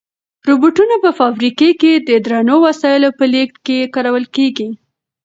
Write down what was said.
روبوټونه په فابریکو کې د درنو وسایلو په لېږد کې کارول کیږي.